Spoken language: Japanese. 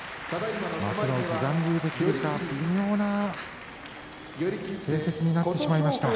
幕内に残留できるか微妙な成績になってしまいました。